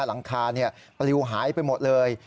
หลังคาปลิวหายไปหมดเลย